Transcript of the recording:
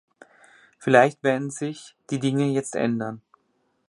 Vielleicht werden sich die Dinge jetzt ändern.